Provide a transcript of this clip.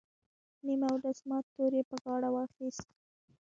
نیم اودس مات تور یې پر غاړه واخیست.